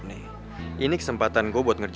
tris sholat dulu yuk